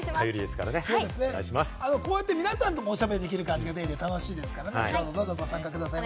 こうやって皆さんとも、おしゃべりできる感じが楽しいですから、どんどんご参加ください。